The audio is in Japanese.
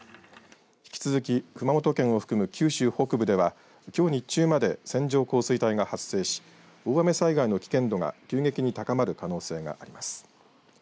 引き続き熊本県も含む九州北部ではきょう日中まで線状降水帯が発生し大雨災害の危険度が急激に高まる可能性があります。